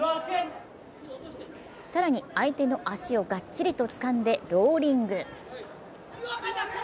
更に、相手の足をがっちりとつかんでローリング。